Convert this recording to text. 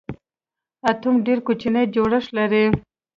اټوم ډېر کوچنی جوړښت لري.